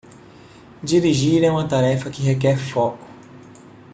Dirigir é uma tarefa que requer foco.